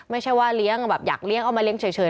ไม่ใช่ว่าเลี้ยงแบบอยากเลี้ยงเอามาเลี้ยเฉย